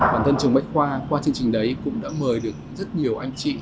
bản thân trường bách khoa qua chương trình đấy cũng đã mời được rất nhiều anh chị